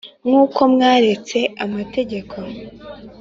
nkuko mwaretse amategeko